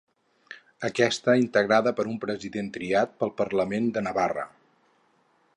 Aquesta integrada per un president triat pel Parlament de Navarra.